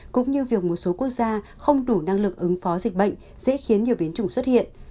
cũng như việc một số quốc gia không đủ năng lực ứng phó dịch bệnh dễ khiến nhiều biến chủng xuất hiện